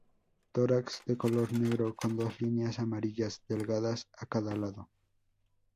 Tórax de color negro con dos líneas amarillas delgadas a cada lado.